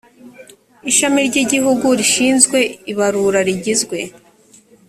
ishami ry igihugu rishinzwe ibarura rigizwe